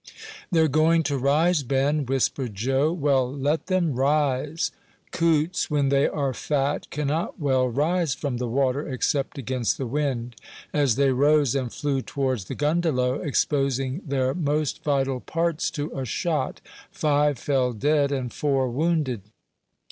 "They're going to rise, Ben," whispered Joe. "Well, let them rise." Coots, when they are fat, cannot well rise from the water, except against the wind. As they rose and flew towards the "gundelow," exposing their most vital parts to a shot, five fell dead, and four wounded.